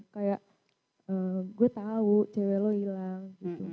kayak gue tahu cewek lo hilang